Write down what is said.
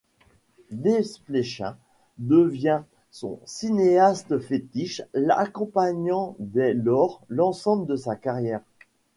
Desplechin devient son cinéaste fétiche, accompagnant dès lors l'ensemble de sa carrière.